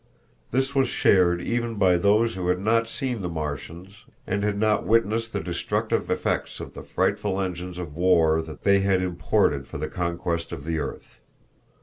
This was shared even by those who had not seen the Martians and had not witnessed the destructive effects of the frightful engines of war that they had imported for the conquest of the earth.